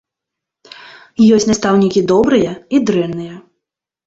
Ёсць настаўнікі добрыя і дрэнныя.